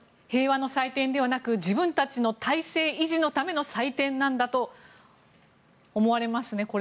平和の祭典ではなく自分たちの体制維持のための祭典なんだと思われますね